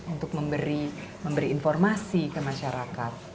untuk memberi informasi ke masyarakat